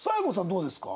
どうですか？